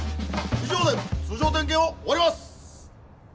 以上で通常点検を終わります！